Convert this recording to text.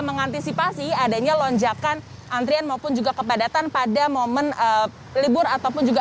mengantisipasi adanya lonjakan antrian maupun juga kepadatan pada momen libur ataupun juga